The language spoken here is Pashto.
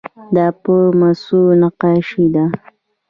دا په مسو نقاشي ده.